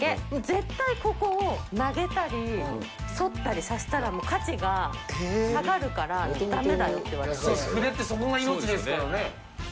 絶対ここを曲げたり、そったりさせたら、もう価値が下がるからだ筆ってそこが命ですからね。